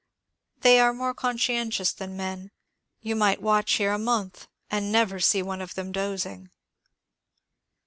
They are more con scientious than men ; you might watch here a month and never see one of them dozing."